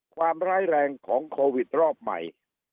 ร้ายแรงของโควิดรอบใหม่